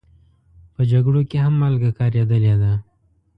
په جګړو کې هم مالګه کارېدلې ده.